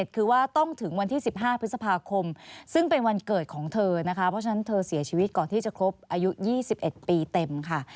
คือว่าต้องถึงวันที่๑๕พฤษภาคมซึ่งเป็นวันเกิดของเธอนะคะเพราะฉะนั้นเธอเสียชีวิตก่อนที่จะครบอายุ๒๑ปีเต็มค่ะ